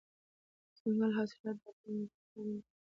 دځنګل حاصلات د افغانانو لپاره په معنوي لحاظ ارزښت لري.